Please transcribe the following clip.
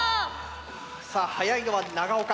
さあはやいのは長岡。